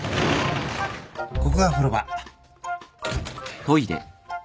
ここが風呂場。